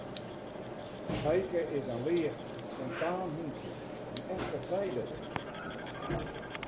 Bijke is in leaf, spontaan hûntsje, in echte frijdoaze.